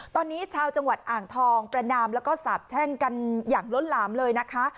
ตอนนี้ชาวจังหวัดอ่างทองประนามแล้วก็สาบแช่งกันอย่างล้นหลามเลยนะคะ